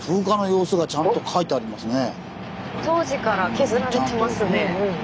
これなんか当時から削られてますね。